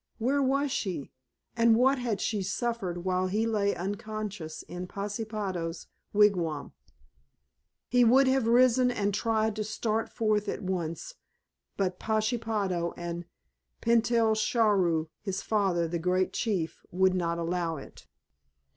Where was she, and what had she suffered while he lay unconscious in Pashepaho's wigwam! He would have risen and tried to start forth at once, but Pashepaho and Petale sharu, his father, the Great Chief, would not allow it.